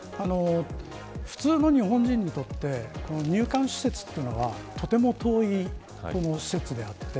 普通の日本人にとって入管施設というのが、とても遠い施設であって。